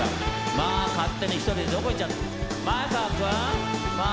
まあ勝手に一人でどこ行っちゃったの？